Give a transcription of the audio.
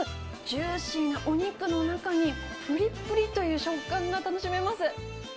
ジューシーなお肉の中に、ぷりっぷりという食感が楽しめます。